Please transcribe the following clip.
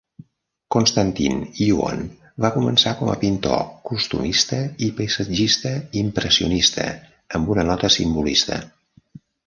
Konstantin Yuon va començar com a pintor costumista i paisatgista impressionista amb una nota simbolista.